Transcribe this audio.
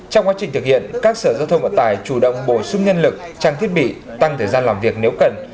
trong quá trình thực hiện các sở giao thông vận tải chủ động bổ sung nhân lực trang thiết bị tăng thời gian làm việc nếu cần